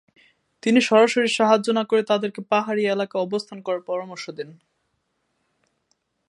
তিনি সরাসরি সাহায্য না করে তাদেরকে পাহাড়ী এলকায় অবস্থান করার পরামর্শ দেন।